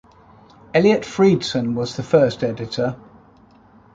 Eliot Freidson was the first editor.